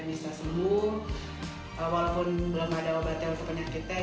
bisa sembuh walaupun belum ada obat yang kepenat kita